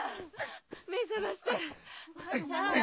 ・目覚ましてよ！